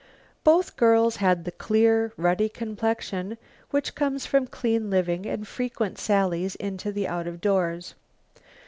Both girls had the clear, ruddy complexion which comes from clean living and frequent sallies into the out of doors.